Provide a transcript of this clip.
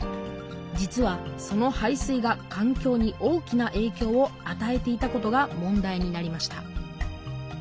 実はその排水が環境に大きなえいきょうをあたえていたことが問題になりました